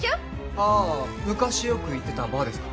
ああ昔よく行ってたバーですか。